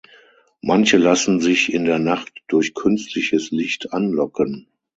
Manche lassen sich in der Nacht durch künstliches Licht anlocken.